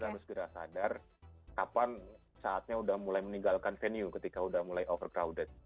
kita harus segera sadar kapan saatnya sudah mulai meninggalkan venue ketika sudah mulai overcrowded